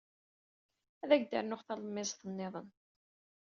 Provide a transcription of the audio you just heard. Ad ak-d-rnun talemmiẓt niḍen.